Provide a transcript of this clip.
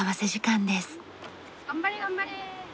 頑張れ頑張れ！